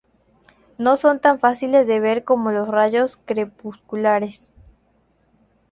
No son tan fáciles de ver como los rayos crepusculares.